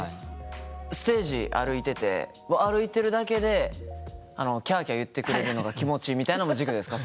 ステージ歩いてて歩いてるだけでキャキャ言ってくれるのが気持ちいいみたいのも軸ですか？